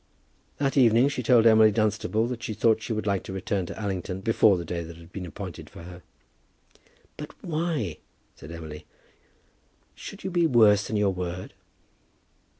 That evening she told Emily Dunstable that she thought she would like to return to Allington before the day that had been appointed for her. "But why," said Emily, "should you be worse than your word?"